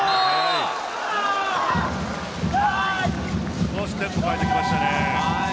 少しテンポを変えてきましたね。